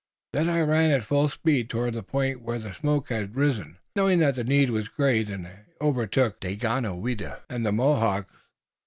Then I ran at full speed toward the point where the smoke had risen, knowing that the need was great, and I overtook Daganoweda and the Mohawks.